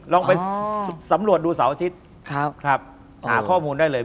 ลองไปสำรวจดูเสาร์อาทิตย์หาข้อมูลได้เลย